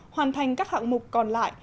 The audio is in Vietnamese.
hoàn thành các hạng mục còn lại